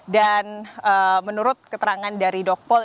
dan menurut keterangan dari dokpol